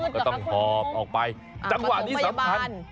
ก็ต้องหอบออกไปจังหวะนี้สำคัญ